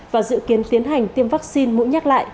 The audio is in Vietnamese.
và dự kiến tiến hành tiêm vaccine mũi nhắc lại